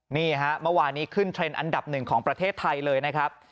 นี่ฮะเมื่อวานนี้ขึ้นเทรนด์อันดับหนึ่งของประเทศไทยเลยนะครับ